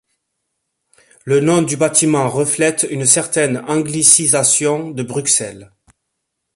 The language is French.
Le nom du bâtiment reflète une certaine anglicisation de Bruxelles.